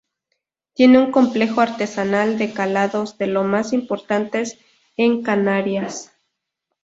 Tiene un complejo artesanal de calados de los más importantes en Canarias.